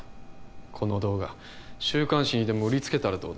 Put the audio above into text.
この動画週刊誌にでも売りつけたらどうだ？